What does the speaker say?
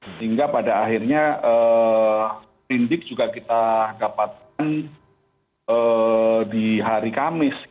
sehingga pada akhirnya perindik juga kita dapatkan di hari kamis